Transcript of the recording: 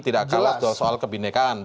tidak kalah soal kebindekaan